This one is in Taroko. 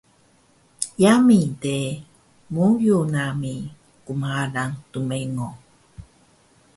Yami de muyu nami gmarang rmengo